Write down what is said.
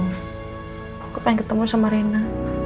aku pengen ketemu sama rina